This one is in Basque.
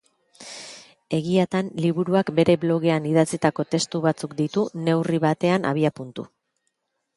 Egiatan, liburuak bere blogean idatzitako testu batzuk ditu neurri batean abiapuntu.